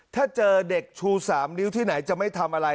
ถ้าเจอเด็กชู๓นิ้วที่ไหนจะไม่ทำอะไร